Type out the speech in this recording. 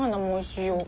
おいしい。